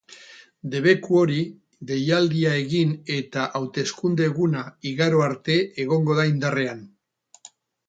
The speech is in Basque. Debeku hori deialdia egin eta hauteskunde-eguna igaro arte egongo da indarrean.